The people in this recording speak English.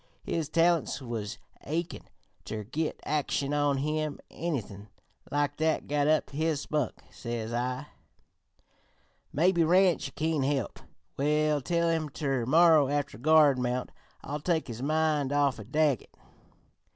His talents was achin' ter git action on him; anythin' like that got up his spunk. Says I: "'Maybe Ranch kin help. We'll tell him ter morrer after guard mount. It'll take his mind off Daggett.'